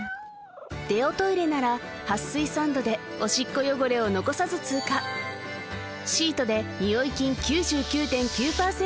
デオトイレなら撥水サンドでオシッコ汚れを残さず通過シートでニオイ菌９９．９％